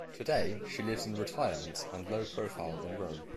Today she lives in retirement and low profile in Rome.